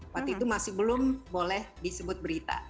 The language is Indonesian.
waktu itu masih belum boleh disebut berita